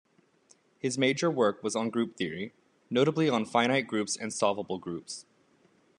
His major work was on group theory, notably on finite groups and solvable groups.